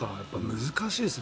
難しいですね。